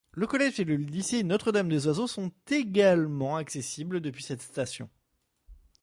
Le collège et le lycée Notre-Dame-des-Oiseaux sont également accessibles depuis cette station.